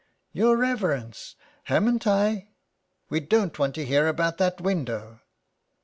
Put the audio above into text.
'' Your reverence, amn't I ?"'* We don't want to hear about that window."